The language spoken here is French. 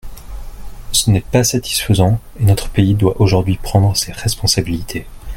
Ce n’est pas satisfaisant et notre pays doit aujourd’hui prendre ses responsabilités.